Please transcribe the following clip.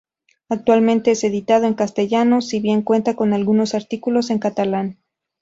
Actualmente es editado en castellano, si bien cuenta con algunos artículos en catalán.